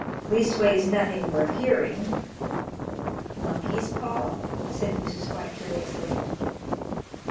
"Leastways nothing worth hearing." "Monkey's paw?" said Mrs. White, curiously.